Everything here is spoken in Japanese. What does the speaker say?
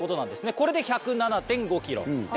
これで１０７．５ｋｍ。